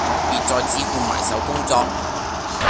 別再只顧埋首工作